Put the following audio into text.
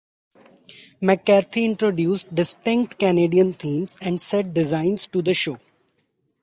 McCarthy introduced distinct Canadian themes and set designs to the show.